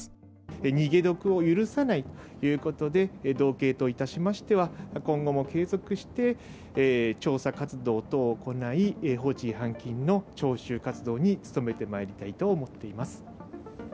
逃げ得を許さないということで、道警といたしましては、今後も継続して調査活動等を行い、放置違反金の徴収活動に努めてまいりたいと思っています。